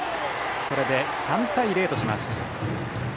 これで３対０とします。